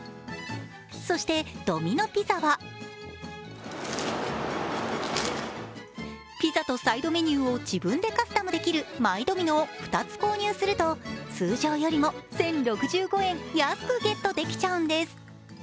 そして、ドミノ・ピザはピザとサイドメニューを自分でカスタムできるマイドミノを２つ購入すると通常よりも１０６５円安くゲットできちゃうんです。